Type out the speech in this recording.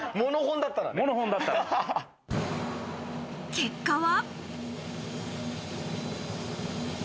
結果は。